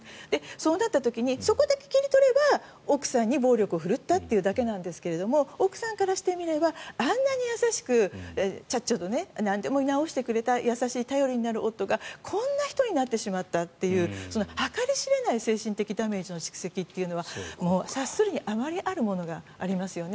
そうなった時にそこだけ切り取れば奥さんに暴力を振るっただけなんですが奥さんからしてみたらあんなに優しくなんでも直してくれた優しい頼りになる夫がこんな人になってしまったというその計り知れない精神的ダメージの蓄積というのは察するに余りあるものがありますよね。